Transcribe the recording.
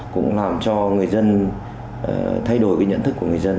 cũng làm cho người dân thay đổi cái nhận thức của người dân